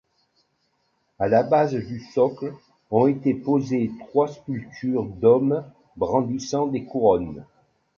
À la base du socle ont été posées trois sculptures d'hommes brandissant des couronnes.